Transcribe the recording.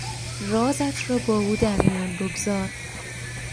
رازت را با او در میان بگذار.